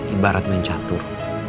ibarat main catur